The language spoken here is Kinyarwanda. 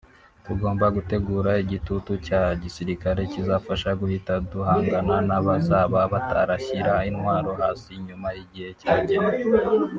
tugomba gutegura igitutu cya gisirikari kizafasha guhita duhangana n’abazaba batarashyira intwaro hasi nyuma y’igihe cyagenwe